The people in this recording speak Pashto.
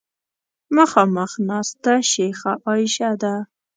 مخامخ ناسته شیخه عایشه ده.